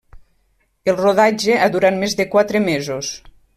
El rodatge ha durat més de quatre mesos.